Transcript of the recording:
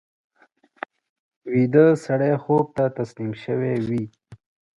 ویده سړی خوب ته تسلیم شوی وي